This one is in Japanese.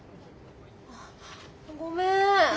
ごめんね。